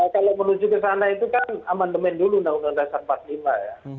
kalau menuju ke sana itu kan amandemen dulu undang undang dasar empat puluh lima ya